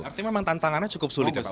artinya memang tantangannya cukup sulit ya